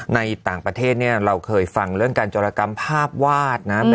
ในต่างประเทศเนี่ยเราเคยฟังเรื่องการจรกรรมภาพวาดนะ